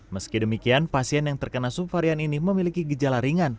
meski demikian pasien yang terkena subvarian ini memiliki gejala ringan